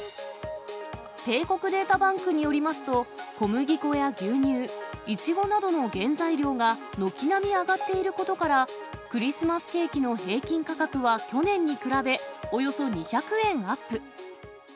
帝国データバンクによりますと、小麦粉や牛乳、イチゴなどの原材料が軒並み上がっていることから、クリスマスケーキの平均価格は去年に比べ、およそ２００円アップ。